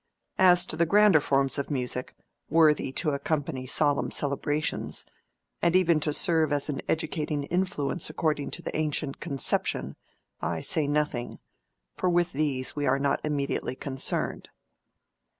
As to the grander forms of music, worthy to accompany solemn celebrations, and even to serve as an educating influence according to the ancient conception, I say nothing, for with these we are not immediately concerned."